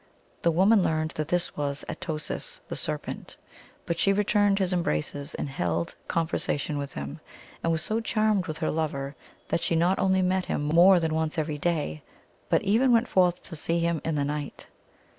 The woman learned that this was At o sis, the Ser pent, but she returned his embraces and held conver sation with him, and was so charmed with her lover that she not only met him more than once every day, but even went forth to see him in the night.